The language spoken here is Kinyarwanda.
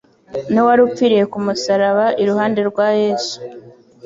n'uwari upfiriye ku musaraba iruhande rwa Yesu.